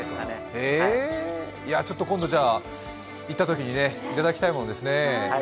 へえ、今度行ったときにいただきたいものですね。